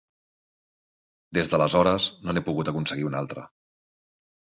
Des d'aleshores, no n'he pogut aconseguir un altre.